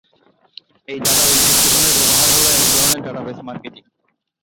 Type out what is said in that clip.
এই ডাটাবেস বিশ্লেষণের ব্যবহার হল এক ধরনের ডাটাবেস মার্কেটিং।